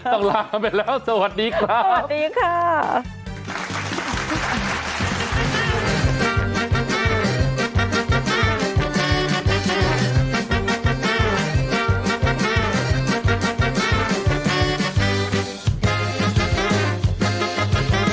ต้องลาไปแล้วสวัสดีครับ